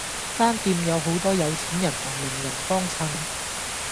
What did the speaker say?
間店有好多有錢人同名人幫襯